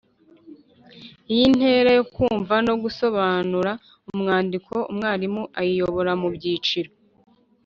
Iyi ntera yo kumva no gusobanura umwandiko, umwarimu ayiyobora mu byiciro